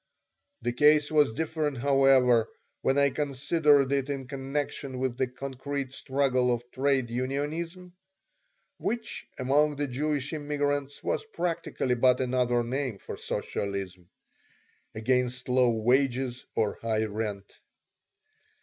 The case was different, however, when I considered it in connection with the concrete struggle of trade unionism (which among the Jewish immigrants was practically but another name for socialism) against low wages or high rent.